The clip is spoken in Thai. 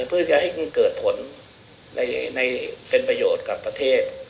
เพื่อจะให้มันเกิดผลเป็นประโยชน์กับประเทศ